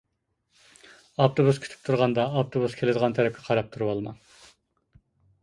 ئاپتوبۇس كۈتۈپ تۇرغاندا، ئاپتوبۇس كېلىدىغان تەرەپكە قاراپ تۇرۇۋالماڭ.